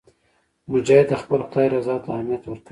مجاهد د خپل خدای رضا ته اهمیت ورکوي.